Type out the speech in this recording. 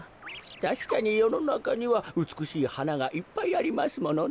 たしかによのなかにはうつくしいはながいっぱいありますものね。